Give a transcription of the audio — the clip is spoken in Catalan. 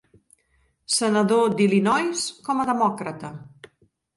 Senador d'Illinois com a demòcrata.